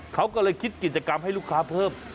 เขาก็เลยคิดกิจกรรมให้ลูกค้าเพิ่ม